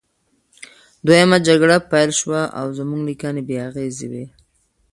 دویمه جګړه پیل شوه او زموږ لیکنې بې اغیزې وې